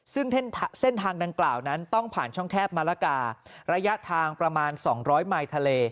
ซึ่งเส้นทางดังกล่าวนั้นต้องผ่านช่องแคบมะละการะยะทางประมาณ๒๐๐ไมล์ทะเล